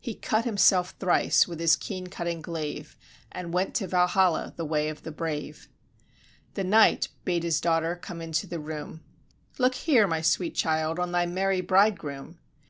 He cut himself thrice, with his keen cutting glaive, And went to Valhalla, {f:2} the way of the brave. The knight bade his daughter come into the room: "Look here, my sweet child, on thy merry bridegroom."